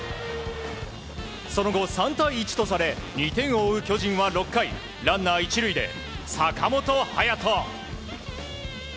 その後３対１とされ２点を追う巨人は６回ランナー１塁で坂本勇人。